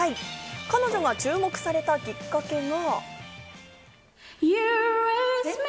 彼女が注目されたきっかけが。